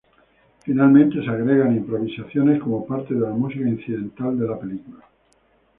Finalmente, se agregan improvisaciones como parte de la música incidental de la película.